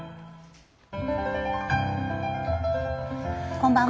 こんばんは。